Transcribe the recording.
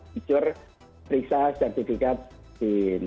fitur periksa sertifikat vaksin